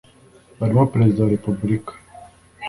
barimo Perezida wa Repubulika